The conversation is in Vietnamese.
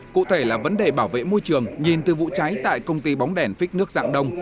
cụ thể là vấn đề bảo vệ môi trường nhìn từ vụ cháy tại công ty bóng đèn phích nước dạng đông